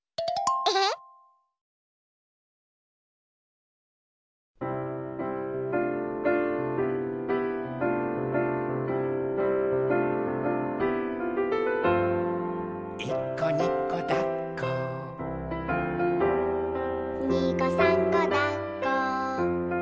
「いっこにこだっこ」「にこさんこだっこ」